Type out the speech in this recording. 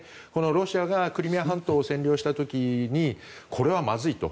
ロシアがクリミア半島を占領した時にこれはまずいと。